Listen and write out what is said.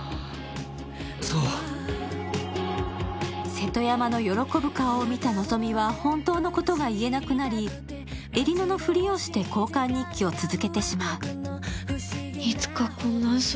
瀬戸山の喜ぶ顔を見た希美は本当のことを言えなくなり江里乃のふりをして交換日記を続けてしまう。